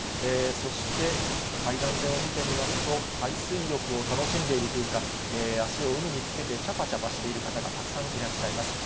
そして海岸線を見てみますと、海水浴を楽しんでいるというか、足を海につけてちゃぱちゃぱしている方がたくさんいらっしゃいます。